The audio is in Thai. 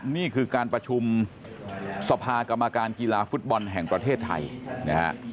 นี่คือการประชุมสภากรรมการกีฬาฟุตบอลแห่งประเทศไทยนะฮะ